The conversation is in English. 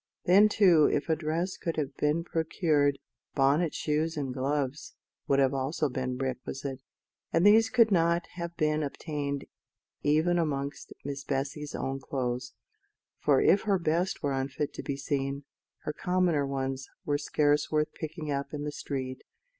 Then, too, if a dress could have been procured, bonnet, shoes, and gloves would have also been requisite; and these could not have been obtained even amongst Miss Bessy's own clothes; for if her best were unfit to be seen, her commoner ones were scarce worth picking up in the street.